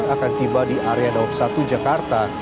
akan tiba di area dawab satu jakarta